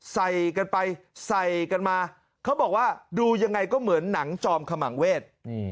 ใส่กันไปใส่กันมาเขาบอกว่าดูยังไงก็เหมือนหนังจอมขมังเวท